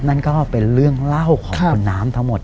นั่นก็เป็นเรื่องเล่าของคุณน้ำทั้งหมด